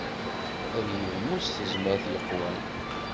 Ad yegmu s tezmert yeqwan.